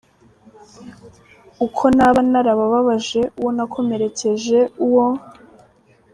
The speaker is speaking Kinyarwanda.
Uko naba narabababaje, uwo nakomerekeje, uwo.